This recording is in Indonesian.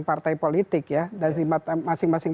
partai politik ya dari masing masing